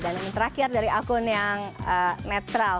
dan yang terakhir dari akun yang netral